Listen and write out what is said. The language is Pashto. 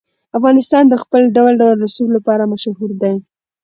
افغانستان د خپل ډول ډول رسوب لپاره مشهور دی.